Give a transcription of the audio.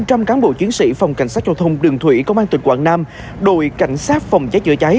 hiện có hơn năm trăm linh cán bộ chiến sĩ phòng cảnh sát trò thông đường thủy công an tỉnh quảng nam đội cảnh sát phòng cháy chữa cháy